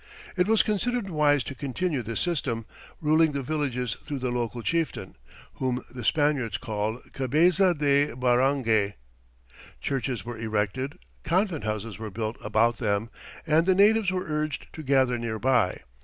It was considered wise to continue this system, ruling the villages through the local chieftain, whom the Spaniards called cabeza de barangay. Churches were erected, convent houses were built about them, and the natives were urged to gather near by.